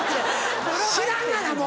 知らんがなもう！